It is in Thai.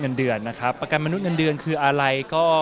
เงินเดือนนะครับประกันมนุษยเงินเดือนคืออะไรก็